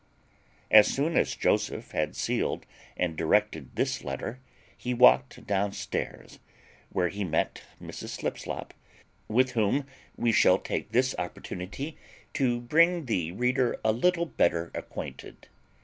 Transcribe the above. As soon as Joseph had sealed and directed this letter he walked downstairs, where he met Mrs. Slipslop, with whom we shall take this opportunity to bring the reader a little better acquainted.